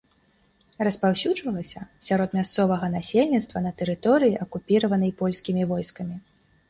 Распаўсюджвалася сярод мясцовага насельніцтва на тэрыторыі, акупіраванай польскімі войскамі.